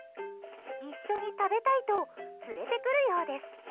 一緒に食べたいと連れてくるようです。